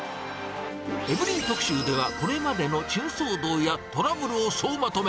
エブリィ特集では、これまでの珍騒動やトラブルを総まとめ。